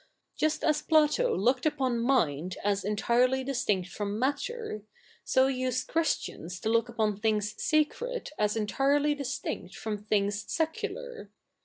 Just as Plato looked upon mind as entirely distinct fro7n 7natter, so used Christians to look upon thi7igs sac7'ed as entirely distinct fro7?i things secular.